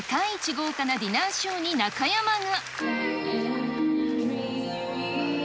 豪華なディナーショーに中山が。